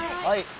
はい。